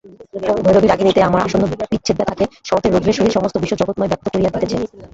করুণ ভৈরবী রাগিণীতে আমার আসন্ন বিচ্ছেদব্যথাকে শরতের রৌদ্রের সহিত সমস্ত বিশ্বজগৎময় ব্যাপ্ত করিয়া দিতেছে।